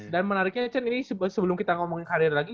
dan menariknya cen ini sebelum kita ngomongin karir lagi